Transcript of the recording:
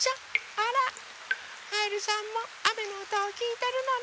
あらカエルさんもあめのおとをきいてるのね。